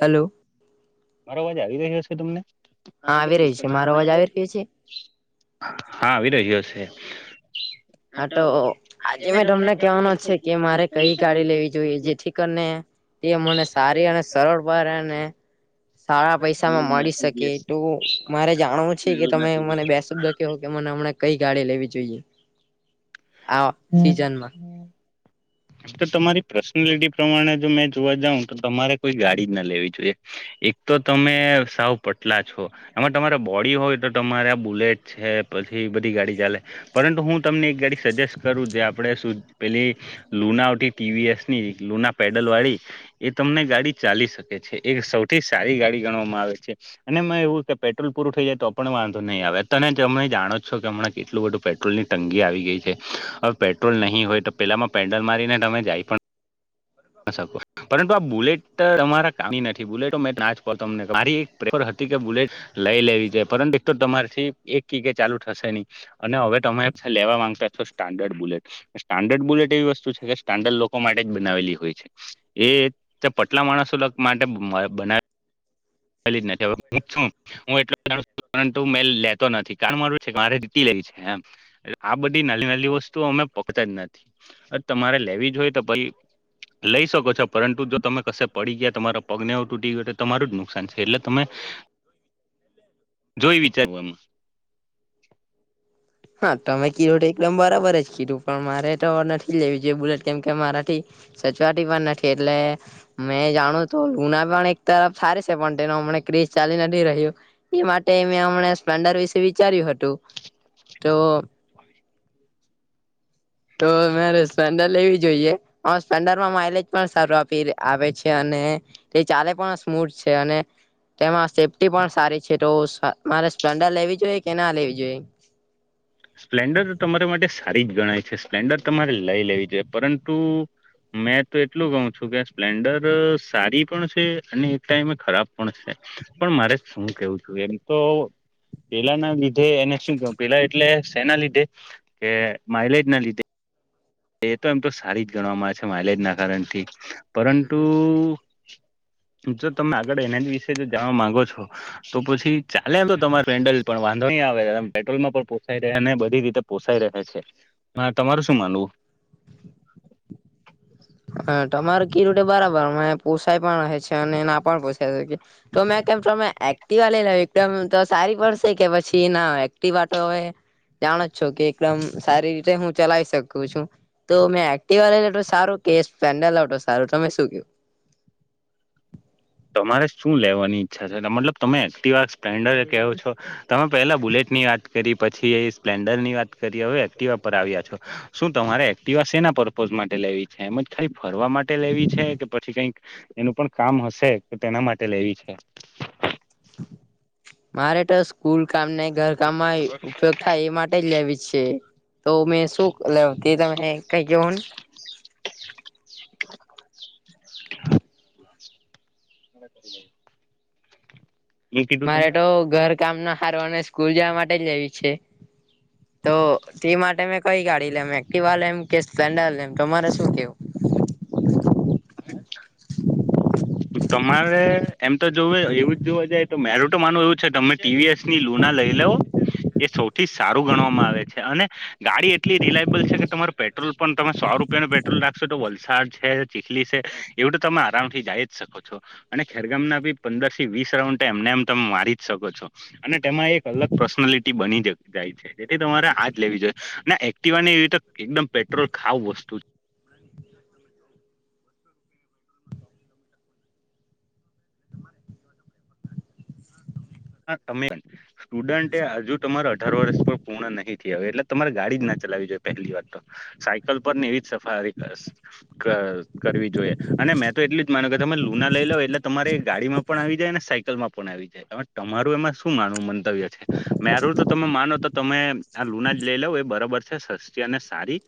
Hello. મારો અવાજ આવી રહ્યો હશે તમને હા આવી રહી છે મારો અવાજ અવા. આવી રહ્યો છે હા આવી રહજ્યોશે. હા તો આજે મેં તમને કેવાનો છે કે મારે કઈ ગાડી લેવી જોઈએ જેથી કરીને. એ મને સારી અને સરળ બને. સારા પૈસા માં મળી શકે સારી તો મારે જાણવું છે કે તમે મને બે. શબ્દ કેવો કે મને હમણા કઈ ગાડી લેવી જોઈએ. આ સીઝનમાં. તો તમારી પર્સનાલિટી પ્રમાણે જો મેં જોવા જાઉં તો તમારે કોઈ ગાડી જ ના લેવી જોઈએ. એક તો તમે સાવ પટલા છો. એમાં તમારે બોડી હોય તો તમારે આ બુલેટ છે, પછી બધી ગાડી ચાલે. પરંતુ હું તમને એક ગાડી સજેસ્ટ કરું જે આપણે શું પેલી? લુના ઉઠી ટીવીએસ ની લુના પેડલ વાળી. એ તમને ગાડી ચાલી શકે છે, એક સૌથી સારી ગાડી ગણવામાં આવે છે. અને એમાં એવું કે પેટ્રોલ પૂરું થઈ જાય તો પણ વાંધો નહીં, આવે તમે જાણો છો કે હણાં કેટલું બધું પેટ્રો ટોલની તંગી આવી ગઈ છે, હવે પેટ્રોલ નહીં હોય તો પેલામાં પેન્ડલ મારીને તમે જાય પણ પરંતુ આ બુલેટ તમારા કામ નથી બુલેટ મેં તમને મારી. પ્રેપર હતી કે બુલેટ લઈ લેવી છેાય પરંતુ એક તો તમારથી એક કગ ચાલુ થશે નહી. અને હવે તમે લેવા માંગતા છો, સ્ટાન્ડર્ડ બુલેટ સ્ટાન્ડર્ડ બુલેટ એવી વસ્તુ છે, કે સ્ટાન્ડર્ડ લોકો માટે જ બનાવેલી હોય. એ પટલા માણસો માટે બનાવે. બનાવેલી જ નથી હું છું હું [unintelligible] પરુ મેં લેતો નથી કારણ મારું છે કે મારે જીતી લે, છેમ આ બધી નાની નાલી વસ્તુઓ અમે પકતા જ નથી, તમારે લેવી જો હોઈ તો પ લઈ શકો છો પરંતુ જો તમે કશે પડી ગયા તમારા પગનેવ તૂટી ગયો. તમારું જ નુકસાન છે, એટલે તમે જોઈ વિચા [inaudible] હા તમે કીડ તો એકદમ બરાબર જ કીડું પણ મારે તો નથી, લેવી જોઈએ બુલેટ કેમ કે મારાથી સચવાટી પણ નથી એટલે મેં જાણું તો ઉના પણ એક તરફ સારી છે, પણ તેનો હમને ક્ર્રીઝ ચાલી નથી રહ્યો. એ માટે મેં હમણા સ્પ્લેન્ડર વિશે વિચાર્યું હતું તો તો મેરેપેડા લેવી જોઈએ સ્પન્ડરમાં માઇલેજ પણ સારું આપી આવે છે અને તે ચાારે પણ સ્મૂથ છે અને તેમાં સેફ્ટી પણ સારી છે, તો મારે સ્પ્લેન્ડર લેવી જોઈએ કે ના લેવી જોઈએ? સ્પ્લેન્ડર તો તમારા માટે સારી જ ગણાય છે. સ્પ્લેન્ડર તમારે લઈ લેવી જોઈ પરંતુ મેં તો એટલું કહું છું કે સ્પ્લેન્ડર સારી પણ છે, અને એક ટાઈમે ખરાબ પણ છે. પણ મારે શું કેવું છું. એમ તો પેલાના લીધે એને શું કે પેલા? એટલે શેના લીધે કે માઇલેજ ના લીધે. એ તો એમ તો સારી જ ગણવામાં આવે છે. માઇલેજ ના કારણથી પરંતુ જો તમે આગળ એના જ વિશે જો જાણવા માંગો છો. તો પછી ચાલે તો તમારે પેન્ડલ પણ વાંધો નહી, આવે પેટ્રોલમાં પણ પોસાઈ રહે ને બધી રીતે પોષાઈ રહ છે એમાં તમારું શું માનવું? હ તમાર કીધું બરાબર પોસાય પણ રહે છે. અને ના પણ પોસાય શકે તો મેં કેમ છ એક્ટિવ લઈ કેવ એકદમ તો સારી પડશે કે પછી ના વાતો હવે જાણ જ છો, કે એકદમ સારી રીતે હું ચલાવી શકું છું. તો મેં એક્ટવા લય લઉં સારું કે સ્પેન્ડર લય લઉં સારું તમે શુ કેહો તમારે શું લેવાની ઈચ્છા છે મતલબ તમે એક્ટવા સ્પ્લેન્ડર કહો છો. તમે પહેલા બુલેટ ની વાત કરી પછી એ સ્પ્લેન્ડર ની વાત કરી હવે, એક્ટિવા પર આવ્યા છો. શું તમારે એક્ટિવા સેના પર્પોઝ માટે લેવી છે. એમજ ખાલી ફરવા માટે લેવી છે કે પછી કઈક એનું પણ કામ હશે તો તેના માટે લેવી છે. મારે તો. સ્કુલ કામ ને ઘર કામમાં ઉપયોગ થાય એ માટે જ લેવી છે. તો મેં શું લે તે તમે કઈ કહોની [inaudible] [inaudible] મારે તમે તો ઘર કામ ના હારું ને સ્કૂલ જવા માટે જ લેવી છે. તો તે માટે મેં કઈ ગાડી લેમ એક્ટવા લેમ કે, સ્પ્લેન્ડર લેમ તમારે શું કેવું? તમારે એમ તો જોવું એવું જ જોવા જાય તો મેર તો માનું એવું છે, તમે ટીવીએસ ની લુના લઈ લવ એ સૌથી થી સારું ગણવામાં આવે છે અને ગાડી એટલી રિલાયબલ છે કે તમારો પેટ્રોલ પણ તમે સો રૂપિયા ને પેટ્રોલ રાખશો તો વલસાડ છે ચીખલી છે એવું તો તમે આરામ થી જાય શકો છો અને ખેરગામ ના બી પંદર થી વીસ રાઉન્ડ એમને એમ તમે મારી જ શકો છો અને તેમાં એક અલગ પર્સનાલિટી બની જ જાય છે જેથી તમારે આજ લેવી જોઈએ અને એક્ટિવા ની એવી એકદમ પેટ્રોલ ખાવ વસ્તુ છે હા તમે સ્ટુડન્ટ એ હજુ તમાર અઢાર વર્ષ પર પૂર્ણ નહી થી હોયે એટલે તમારે ગાડી જ ના ચલાવી જોઈએ પહેલી વાત તો સાયકલ પર ને એવી જ સફારી કરશ ક કરવી જોઈએ અને મેં તો એટલું જ માન કે તમે લુના લઈ લોાવ એટલે તમારે ગાડીમાં પણ આવી જાય ને સાયકલ માં પણ આવી જાય તમારું એમાં શું માનવું મંતવ્ય છે મારું તો તમે માનો તો તમે આ લુણા જ લઈ લાવ એ બરાબર છે સસ્તી અને સારી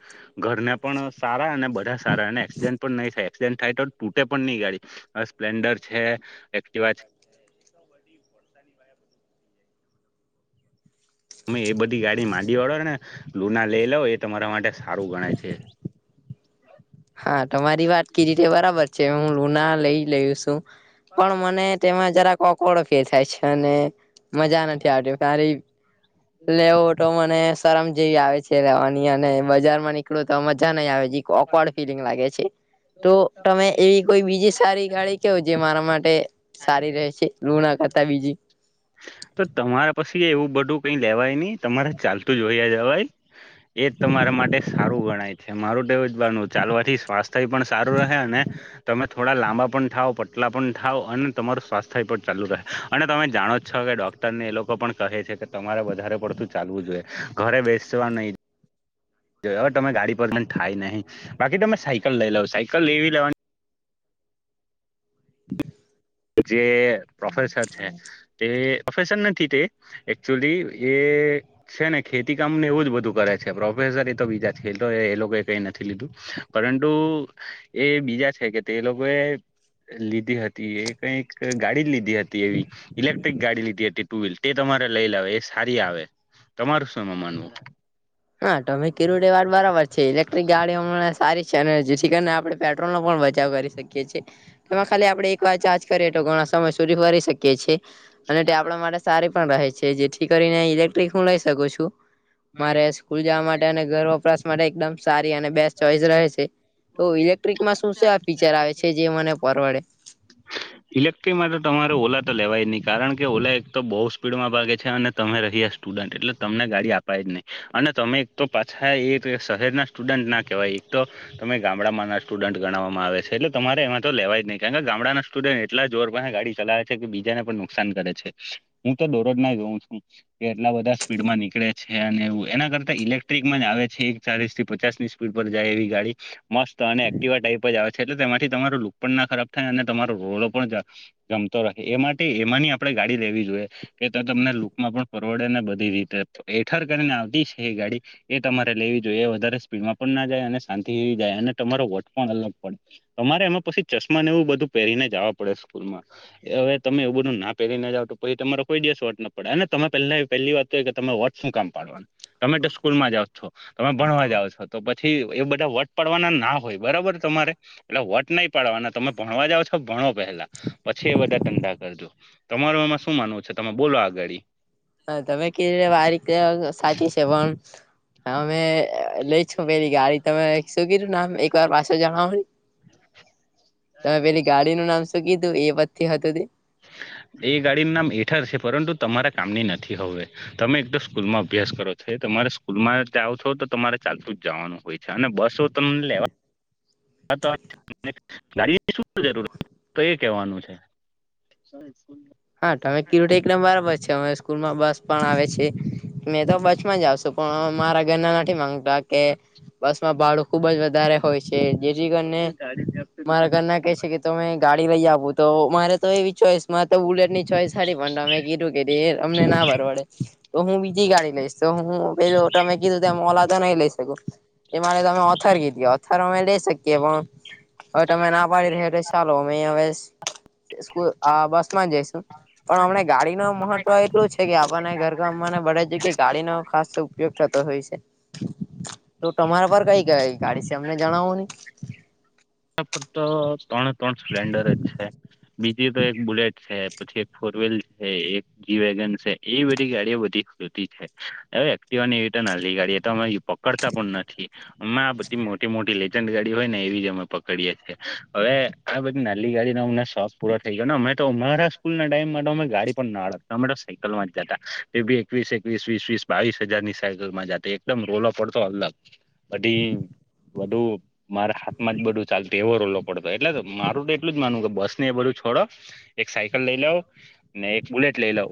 ઘરને પણ સારા અને બધા સારા અને એક્સિડેન્ટ પણ નહી થાય એક્સિડેન્ટ થાય તો તૂટે પણ નહીં ગાડી આ સ્પલેન્ડર છે એક્ટિવા તમે એ બધી ગાડી માંડી વાળો ને લુના લઈ લાવ એ તમારા માટે સારું ગણાય છે હા તમારી વાત કે થી બરાબર છે હું લુના લઈ લું છું પણ મને તેમાં જરા ઓકવાડ ફીલ થાય છે અને મજા નથી આવતી ખાલી લેવું તો મને શરમ જેવી આવે છે લેવાની અને બજાર માં નીકળો તો મજા નહી આવે છે જીક ઑકવડ ફિલિંગ લાગે છે તો તમે એવી કોઈ બીજી સારી ગાડી કેવો જે મારા માટે સારી રહેશે લુના કરતા બીજી તો તમારા પછી એવું બધું કઈ લેવાય નહી તમારે ચાલતું જ વાયા જવાય એ તમારા માટે સારું ગણાય છે મારું તો એવુ ચાલવાથી સ્વાસ્થ્ય પણ સારું રહે અને તમે થોડા લાંબા પણ થાવ પતલા પણ થાવ અને તમારું સ્વાસ્થ્ય પણ ચાલુ રહે અને તમે જાણો જ છો કે ડોક્ટરને એ લોકો પણ કહે છે કે તમારે વધારે પડતું ચાલવું જોઈએ ઘરે બેસવા નહીં જો હવે તમે ગાડી પર ને થાય નહી બાકી તમે સાયકલ લઈ લાવ સાયકલ એવી લેવાની જે પ્રોફેસર છે તે પ્રોફેસર નથી તે એકક્ચુઅલી એ છે ને ખેતી કામ ને એવું જ બધું કરે છે પ્રોફેસર એ તો બીજા છે તો એ લોકોએ કઈ નથી લીધું પરંતુ એ બીજા છે કે તે લોકોએ લીધી હતી એ કઈ એક ગાડી લીધી હતી એવી ઇલેક્ટ્રિક ગાડી લીધી હતી હતી ટુ વ્હીલર તે ત‌મારે લઈ લાવે એ સારી આવે તમારું શું એમાં માનવું હા તમે કીરડ એ વાર બરાબર છે ઇલેક્ટ્રિક ગાડીઓ સારી છે અને જેથી કરી ને આપડણે પેટ્રોલ નો પણ બચાવ કરીશ શકી તેમાં ખાલી આપણેે એક વાર ચાર્જ કરીએ તો ઘણા સમય સુધી ભરી શકીએ છીએ અને તે આપણા માટે સારી પણ રહે છે જેથી કરીને ઇલેક્ટ્રિક હું લઈ શકું છું મારે સ્કૂલ જવા માટે અને ઘર વપરાશ માટે એકદમ સારી અને બેસ્ટ ચોઈસ રહે છે તો ઇલેક્ટ્રિકમાં શું છેવા ફીચર આવે છે જે મને પરવડે [inaudible] ઇલેક્ટિક માટે તો તમારે ઓલા તો લેવાય નહીિ કારણ કે ઓલા એક તો બહુ સ્પીડમાં ભાગે છે અને તમે રહી સ્ટુડન્ટ એટલે તમને ગાડી અપાય જ નહી અને તમે એક તો પાછા એ શહેરના સ્ટુડન્ટ ના કહેવાય એક તો તમે ગામડામાં ના સ્ટુડન્ટ ગણવામાં આવે છે એલે તમારે એમાં તો લેવા જ નહીિ કારણ કે ગામડાના સ્ટુડ એટલા જોર ગાડી ચલાવે છે કે બીજાને પણ નુકસાન કરે છે હું તો દોરોજ ના જોઉં છું કે એટલા બધા સ્પીડમાં નીકળે છે અને એ એના કરતા ઇલેક્ટ્રિકમાં જ આવે છે ચાલીસ થી પચાસ ની સ્પીડ પર જાય એવી ગાડી મસ્ત અને એક્ટિવા ટાઈપ જ આવે છે એટલે તેમાંથી તમારો લુક પણ ના ખરાબ થાય અને તમારો રોલો પણ ગમતો રાખે એ માટે એમાંની આપડે ગાડી લેવી જોઈએ કે તો તમને લૂકમાં પણ પરવડે ને બધી રીતે હેઠર કરીને આવતી છે એ ગાડી એ તમારે લેવી જોઈએ એ વધારે સ્પીડમાં પણ ના જાય અને શાંતિ જાય અને તમારો વોટ પણ અલગ પડે અરે એમાં પછી ચશ્માનેવું બધું પહેરીને જવા પડે સુુરમાં એ હવે તમે એ બધું ના પહેરીને જાવ તો પછી તમારો કોઈ દિવસ વોટ ન પડે અનેને તમે પહેલા પહેલી વાત તમે વટ શું કામ પાડવાનું તમે તો સ્કૂલ માં જાવ છો તમે ભણવા જાાવ છો તો પછી એ બધા વટ પડવાના ના હોય બરાબર તમારે એટલે વોટ નહી પાડવાના તમે ભણવા જાાવ છો ભણો પેલા પછી એ બધા ધંધા કરજો તમાર આમાં શું માનવું છે તમે બોલો આ ગાડી હા તમે કેવી રીતે આ રીતે સાચી છે પણ હા અમે લઈ છું પેલી ગાડી તમે શું કીધું નામ એક વાર પાછો જણવા મળ તમે પેલી ગાડીનું નામ શું કીધું એ પથી હતું ત એ ગાડીનું નામ હઠળ છે પરંતુ તમારા કામની નથી હવે તમે એક તો સ્કૂલ માં અભ્યાસ કરો છો તમારે સ્કૂલમાં આવો છો તો તમારે ચાલતું જ જવાનું હોય અને બસો તમને લેવા હા તો ગાડીની શું જરૂર તો એ કવાનું છે [unintelligible] હામે કિરટ એકલેમ બરાબર છે અ સ્કૂલ માં બસ પણ આવે છે મેં તો બસમાં જાવશું પણ મારા ઘરના નથી માંગતા કે બસ માં ભાડું ખુબ જ વધારે હોય છે જેથી કરીને મારા ઘરના કે છે કે તમે ગાડી લઈ આવો તો મારે તો એવી ચોઈસ માં તો બુલેટ ની ચોઈસ સાડી પણ અમે કીધું કેીધ એ અમને ના ફર પડે તો હું બીજી ગાડી લઈશ તો હું પે ત મેં કીધું ત મોલા તો નહી લઈ શકું એ મારે તમે ઓથર કીધ ઓથર અમે લઈ શકીએ પણ હવે તમે ના પાડી રહ્યો અ હવે બસ માં જ જઈશ પણ હમને ગાડી ન મહત્વ એટલું છે કે આપણને ઘર ગમને બધ જગ્યા ગાળી નો ખાસ ઉપયોગ થતો હોય છે તો તમારા પર કઈ કઈ ગાડી છે એમને જણાવો નહી પર તો ત્રણે ત્રણ સ્પ્લેન્ડર જ છે બીજી તો એક બુલેટ છે પછી એક ફોર વ્હીલ છે એક જી વગન છે એ બધી ગાડીઓ બધી ખતી છે હવે એક્ટ એ ના ગાડી તો અ પકડતા પણ નથી અમે આ બધી મોટી મોટી લેજડ ગાડી હોય ને એવી જ અમે પક કરીએ છીએ હવે આ બધી નાલી ગાડીનો અમને શોખ પૂરો થઈ ગયો ને અમે તો અમારા સ્કૂલ ના ટાઈમ તો અમે ગાડી પણ ના અડતા અમે તો સાયકલ માં જતા બી એકવીસ એકવીસ વીસ વસ બાવીસ હજારની સાયકલમાં જાતો એકદમ રોલો પડતો અલગ બધી વધધું મારા હાથમાં જ બધું ચાલ એવો રોલો પડતો એટલે તો મારું તો એટલું જ માનવું કે બસ ને એ બધું છોડો એક સાયકલ લઈ લાવ ને એક બુલેટ લઈ લવ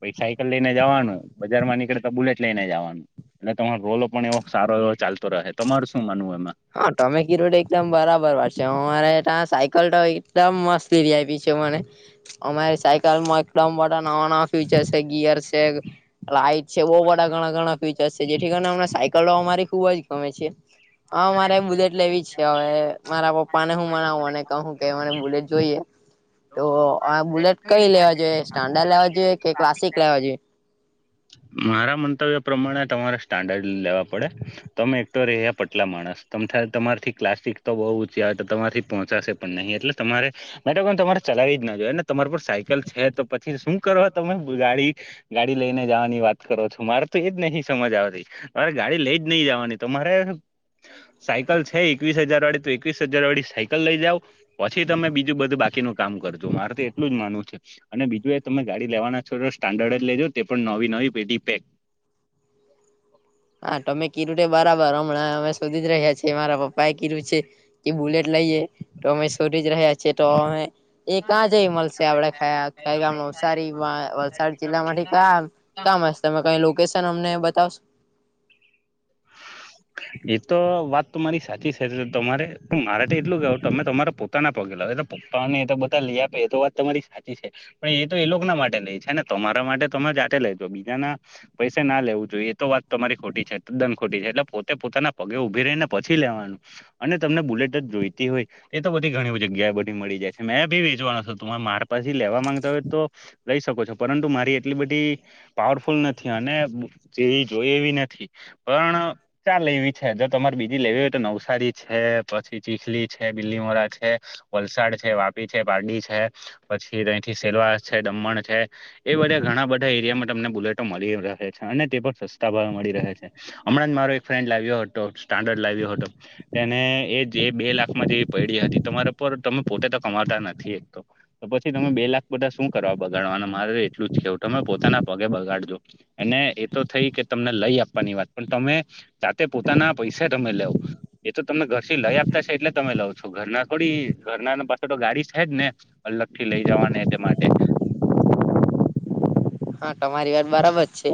પછ સાયકલ લઈને જવાનું બજાર માં નીકળ તો બુલેટ લઈને જવાનું એટલે તમારો રોલો પણ એવો સારો એવો ચાલતો રહે તમાર શું માનવું એમાં હા તમે કી રડ એકદમ બરાબર વાર છે હું મારે ત સાયકલ તો એકદમ મસ્તી આપી છે મને અમારી સાયકલમાં એકદમ બધા નવા નવા ફુચર છે ગિયર છે લાઈટ છે બહુ બધા ઘણા ઘણા ફીચરસ છે જેથી કરીને અમને સાયકલ અમારી ખુબ જ ગમે છે હા મારે બુલેટ લેવી છે હવે મારા પપ્પા ને હું મનાવું અનેને કહું કે મને બુલેટ જોઈએ તો આ બુલેટ કઈ લેવા જોઈએ સ્ટાન્ડડ લેવા જોઈએ કે ક્લાસિક લેવા જોઈએ મારા મંતવ્ય પ્રમાણે તમારે સ્ટાન્ડર્ડ લેવા પડે તમે એક તો ર્યા પ કેટલા માણસ ત તમારથી ક્લાસ્ટિક તો બહુ ઊંચી આવે તો તમારથી પહોંચાશે પણ નહીં એટલે તમારે મેડમ તમારે ચલાવી જ ના જો તમાર પર સાયકલ છે તો પછી શું કરવા તમે ગાડી ગાડી લઈને જવાની વાત કરો છો મારે તો એજ નહિ સમજ આવતી મારે ગાડી લઈ જ નહીિ જવાની તો મારે સાયકલ છે એકવીસ હજાર વાળી તો એકવીસ હજાર વાળી સાયકલ લઇ જાાવ પછી તમે બીજું બધું બાકીનું કામ કરજો મારે તો એટલું જ માનવું છે અને બીજું એ તમે ગાડી લેવાના છો તો સ્ટન્ડર્ડ જ લેજો તે પણ નવી નવી પેટી પેક હા તોમે કીરું બરાબર હમણાં અમે શોધી જ રહ્યાીએ મારા પપ્પા એ કીર્યું છે કે બુલેટ લઈએ તો અમે શોધ જ રહ્યા છીએ તો અમે એ ક્યાં જઈ મળશે આપડ ખ ગામ નવસારીમાં વલસાડ જિલ્લા માંથી ક્યા કં મળશે ત કઈ લોકેશન અમને બતાવશ એતો વાત તમારી સાચી છે તમારે હ મારે એટલું ગ તમે તમારા પો પ ના પગેલા એ તો પપ્પાને તો બધા લ આપે એ તો વાત તમારી સાચી છે પણ એ તો એ લોકો ના માટે લે છેને તમારા માટે તમે જા આ લઈજો બીજાના પૈસા ના લેવું જોઈએ એ તો વાત તમારી ખોટી છે દન ખોટી છે એટલે પોતે પોતાના પગે ઉઊભી રહીને પછી લેવાનું અને તમને બુલેટ જોઈતી હોય એ તો બધી ઘણી જગ્યાએ બધી મળી જાય છે મેં ભી વેચવાનો છ તરે મારે પાછી લેવા માંગતા હોય તો લઈ શકો છો પરંતુ મારી એટલી બધી પાવરફુલ નથી અને તેવી જોઈ એવી નથી પણ ચા લેવી છે જો તમારે બીજી લેવી હોય તો નવસારી છે પછી ચીખલી છે બીલી મોડા છે વલસાડ છે વાપી છે બારડી છે પછી તંથી સેલવા છે દમણ છે એ બધા ઘણા બધા એરિયામાં તમને બુલેટો મળી રહે છે અને તે પણ સસ્તા ભાવ મળી રહે છે હમણાં જ મારો એક ફ્રેન્ડ લાવ્યો હતો સ્ટાન્ડર્ડ લાવ્યો હતો તેને એ જે બે લાખમાં જેવી પડી હતી તમારા પર તમે પોતે તો કમાતા નથી એક તો તો પછી તમે બે લાખ બધા શું કરવા બગાડવાના મારે એટલું જ કેવું તમે પોતાના પગે બગાડજો એને એતો થઈ કે તમને લઈ આપ ની વાત પણ તમે જાતે પોતાના પૈસા તમે લાવ એ તો તમને ઘર થી લઈ આપતા છે એટલે તમે લાવ છો ઘરના થોડી ઘરના પાછ તો ગાડી છે જ ને અલગ થી લઈ જવાને તે માટે હા તમારી વાત બરાબર છે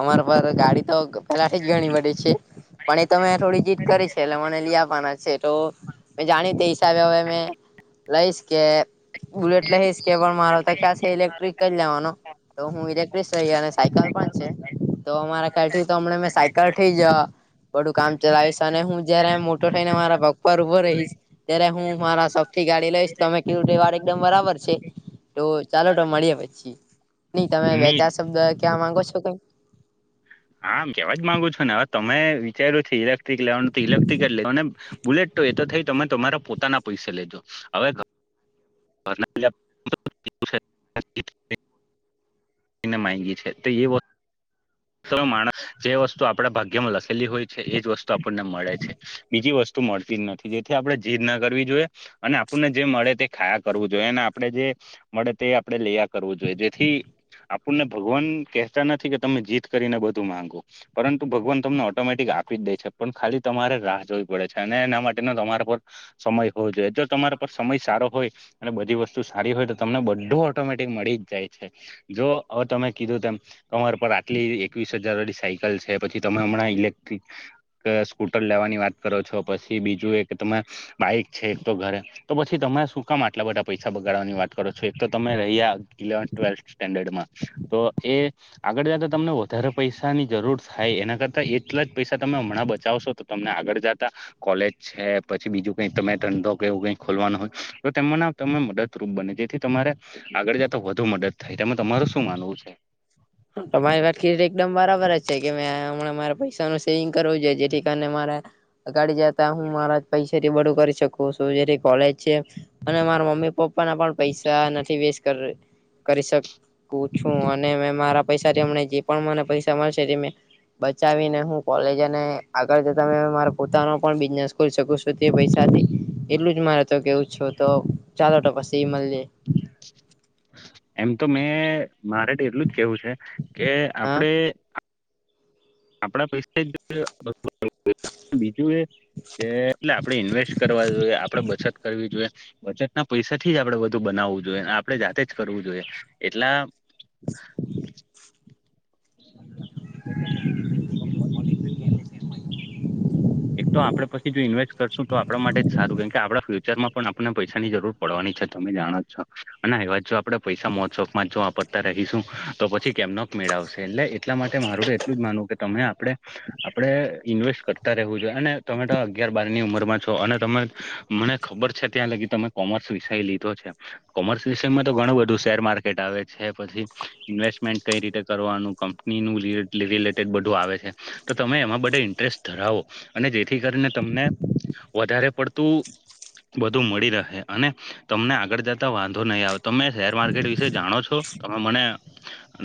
અમારા પર ગાડી તો પેલા થી જ ઘણી બે છે પણ એ તો મેમે થોડી જીત કરી છે એટલે મને લઈ આપવાના છે તો મેં જાણી તે હિસાબે હવે મેં લઈશ કે બુલેટ લ હશ કેબર મારો તો ક્યાં છે ઇલેક્ટ્રિક ક લેવાનો તો હું ઇલેક્ટ્રસ રહી અને સાયકલ પણ છે તો અમારા ખ્યાલથી તો હમ મે સાયકલ થઈ જયા બડું કામ ચલાવીશ અને હું જયારે મોટો થઈને મારા પગવાર ઉઊભો રહીશ ત્યારે હું મારા ી ગાડી લઈશ તોમે કીધું વાર એકદમ બરાબર છે તો ચાલો તો મળીએ પછી નઈ તમે ની વેચાર શબ્દ ક્યાં માંગો છો કઈ હા આમ કેવા જ માંગુ છો ને હવે તમે વિચાર્યું છે ઇલેક્ટ્રિક લેવાનું તો ઇલેક્ટ્રિક જ લેવા ને બુલેટ તો એ તો થઈ તમે તમારા પોતાના પૈસે લેજો હવે [unintelligible] એને માગી છે તો એ બો તમે માણસ જે વસ્તુ આપણેે ભાગ્યમાં લખેલી હોય છે એજ વસ્તુ આપણને મળે છે બીજી વસ્તુ તો મળતી જ નથી જેથી આપણે જઝીર ના કરવી જોઈએ અને આપણને જે મળે તે ખાયા કરવું જોઈએ અને આપડણે જે મળે તે આપણે લૈયા કરવું જોઈએ જેથી આપણને ભગવાન કહેતા નથી કે તમે જીત કરીને બધું માંગો પરંતુ ભગવાન તમને ઓટોમેટિક આપી જ દે છે પણ ખાલી તમારે રાહ જોવી પડે છે અને એના માટે તમારા પર સમય હોવો જોઈએ જો તમારા પર સમય સારો હોય અને બધી વસ્તુ સારી હોય તો તમને બધું ઓટોમેટિક મળી જ જાય છે જો હવે તમે કીધું તેમ કમર પર કેટલી એકવીસ હજાર વાળી સાયકલ છે પછી તમે હમણાં ઇલેક્ટ્રિક સ્કૂટર લેવાની વાત કરો છો પછી બીજું એક તમે બાઈક છે એક તો ઘરે તો પછી તમે શું કામ આટલા બધા પૈસા બગાડવાની વાત કરો છો એક તો તમે રહી્યા ઇલેવ ટ્વેલ્થ સ્ટેન્ડર્ડમાં તો એ આગળ જ તમને વધારે પૈસાની જરૂર થાય એના કરતાં એટલા જ પૈસા તમે હમણાં બચાવશો તો તમને આગળ જતા કોલેજ છે પછી બીજું કઈ તમે ધંધો કેવું કઈ ખોલવાનો હોય તો તેના તને મદદરૂપ બને જેથી તમારે આગળ જતા વધુ મદદ થાય તે તમારું શું માનવું છે તમારી વા ખી એકદમ બરાબર જ છે કે મેં હમણાં મારે પૈસાનુંું સેવિંગ કરવું જોઈએ જેથી કારણે મારે અગાડી જતા હું મારા પૈસાથી બડું કરી શકું છું જે કોલેજ છે અને મારા મમ્મી પપ્પા ના પણ પૈસા નથી વેસ્ટ કર કરી શકું છું અને મે મારા પૈસામને જે પણ મને પૈસા મળશે તે બચાવીને હું કોલેજ અને આગળ જ તમે મા પોતાનો પણ બિઝનેસ શકો છું તે પૈસાથી એટલું જ મારે તો કેવું છો તો ચાલો તો પછી મળીે એમ તો મેં મારે એટલું જ કેવું છે કે હા આપડે આપણા પૈસા જો બીજું એ કે એટલે આપડે ઈન્વેસ્ટ કરવા જોઈએ આપડે બચત કરવી જોઈએ બચત ના પૈસાથી જ આપડે વધું બનાવવું જોઈએ આપડણે જાતે જ કરવું જોઈએ એટલા [inaudible] છે એક તો આપડે પછી જો ઈન્વેસ્ટ કરશું તો આપણા માટે જ સારું કેમ કે આપડા ફ્યુચ માં પણ આપને પૈસાની જરૂર પડવાની છે તમે જાણો જ છો અને હવા જો આપણે પૈસા મહોત્સવમાં જો પતા રહીશું તો પછી કેમનોક મેળવશે એટલે એટલા માટે મારું એટલું જ માનવું કે તમે આપણે આપડણે ઇન્વેસ્ટ કર રહેવું જોઈએ અને તમે તો અગિયાર બાર ની ઉંમરમાં છો અને તમે મને ખબર છે ત્યાં લગી તમે કોમર્સ વિષય લીધો છે કોમર્સ વિષયમાં તો ઘણું બધું શેર માર્કેટ આવે છે પછી ઇન્વેસ્ટમેન્ટ કઈ રીતે કરવાનું ક રિલેટેડ બધું આવે છે તો તમે એમાં બધે ઇન્ટરેસ્ટ ધરાવો અને જેથી કરીને તમને વધારે પડતું બધું મળી રહે અને તમને આગળ જતા વાંધો નહીં આવે તમે શેર માર્કેટ વિશે જાણો છો તમે મને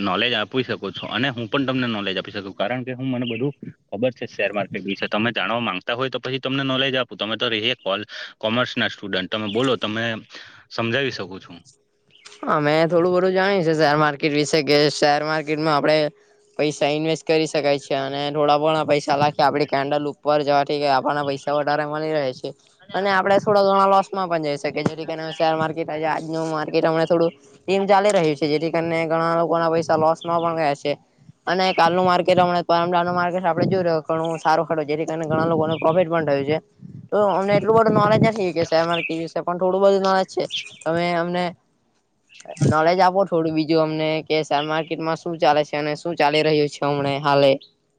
નોલેજ આપી શકો છો અને હું પણ તમને નોલેજ આપી શકું કારણ કે હું મને બધું ખબર છે શેર માર્કેટ તમે જાણવા માંગતા હોય તો પછી તમને નોલેજ આપું તમે તો ર કોલ કોમર્સ ના સ્ટુડન્ટ તમે બોલો તમે સમજાવી શકો છું હ મેં થોડું બધું જાણી છે શેર માર્કેટ વિશે કે શેર માર્કેટમાં આપડણે પૈસા ઇન્વેસ્ટ કરી શકાય છે અને થોડા ઘણા પૈસા લખી આપણેે કેન્ડલ ઉપર જવાથી આપણાના પૈસા વધારે મળી રહે છે અને આપણે થોડા ઘણા લોસમાં પણ જઈ શકીએ જેથી કરી શેર માર્કેટ આજનું માર્કેટમ થોું ટીમ ચાલી રહ્યું છે જેથી કરીને ઘણા લોકો ના પૈસા લોસમાં પણ ગયા છે અને કાલનું માર્કેટ હમણાં માર્કેટ આપડે જોઈ રહ્યો ઘણું સારો ખરડો છે જેથી કારણે ઘણા લોકોને પ્રોફિટ પણ થયું છે તો અમને એટલું બધું નોલેજ નથી કે કે પણ થોડું બધું નોલેજ છે અમે અમને નોલેજ આપો થોડું બીજું અમને કે શેર માર્કેટમાં શું ચાલે છે અને શું ચાલી રહ્યું છે હમ હાલે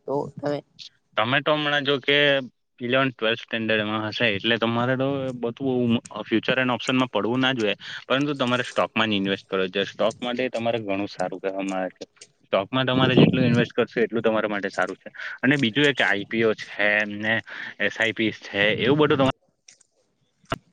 તો તમે ટમેટો હમણાં જો કે ઇલેવન ટ્વેલ્થ સ્ટેન્ડર્ડમાં હશે એટલે તમારે તો બધું ફ્યુચર એન્ડ ઓપ્શન માં પડવું ના જોઈએ પરંતુ તમારે સ્ટોકમાં જ ઇન્વેસ્ટ કરો છે સ્ટોક માટે તમારે ઘણું સારું કહે આવે છે સ્ટોકમાં તમારે જેટલું ઇન્વેસ્ટ કરશું એટલું તમારા માટે સારું છે અને બીજું એ કે આઈપી છે ઈી છે એવું બધું તમારે